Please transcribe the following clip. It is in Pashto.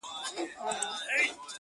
o پېړۍ و سوه جګړه د تورو سپینو د روانه,